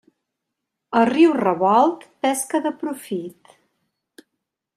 A riu revolt, pesca de profit.